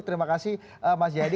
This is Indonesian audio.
terima kasih mas jadi